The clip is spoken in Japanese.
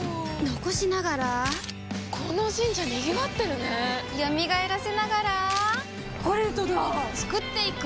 残しながらこの神社賑わってるね蘇らせながらコレドだ創っていく！